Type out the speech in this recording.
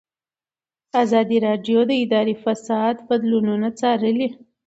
ازادي راډیو د اداري فساد بدلونونه څارلي.